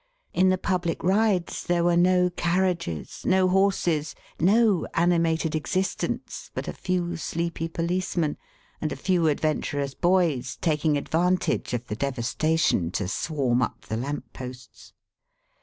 In the public rides there were no carriages, no horses, no animated existence, but a few sleepy policemen, and a few adventurous boys taking advantage of the devastation to swarm up the lamp posts.